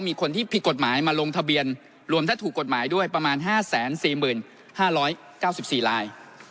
มีคนที่ผิดกฎหมายมาลงทะเบียนรวมถ้าถูกกฎหมายด้วยประมาณ๕๔๕๙๔ลาย